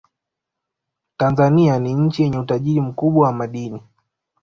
tanzania ni nchi yenye utajiri mkubwa wa madini